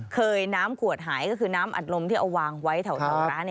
เคยน้ำขวดหายก็คือน้ำอัดลมที่เอาวางไว้แถวร้าน